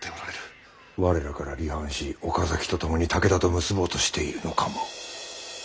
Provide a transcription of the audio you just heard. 我らから離反し岡崎と共に武田と結ぼうとしているのかも。